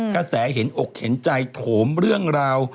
กระแสเห็นอกเห็นใจโถมเรื่องราว